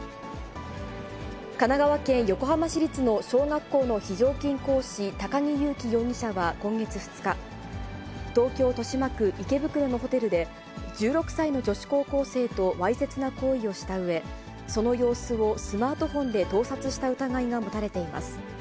神奈川県横浜市立の小学校の非常勤講師、高木悠基容疑者は今月２日、東京・豊島区池袋のホテルで、１６歳の女子高校生とわいせつな行為をしたうえ、その様子をスマートフォンで盗撮した疑いが持たれています。